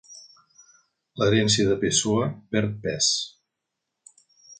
L'herència de Pessoa perd pes.